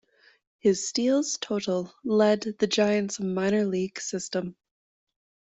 His steals total led the Giants minor-league system.